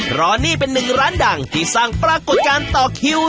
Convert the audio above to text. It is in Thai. เพราะนี่เป็นหนึ่งร้านดังที่สร้างปรากฏการณ์ต่อคิว